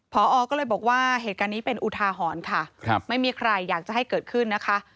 พอก็เลยบอกว่าเหตุการณ์นี้เป็นอุทาหรณ์ค่ะไม่มีใครอยากจะให้เกิดขึ้นนะคะ